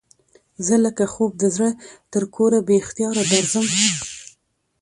زه لکه خوب د زړه تر کوره بې اختیاره درځم